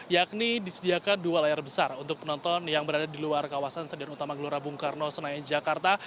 yakni disediakan dua layar besar untuk penonton yang berada di luar kawasan stadion utama gelora bung karno senayan jakarta